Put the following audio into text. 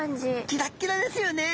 キラッキラですよね。